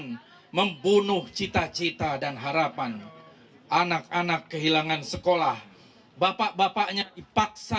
hai membunuh cita cita dan harapan anak anak kehilangan sekolah bapak bapaknya dipaksa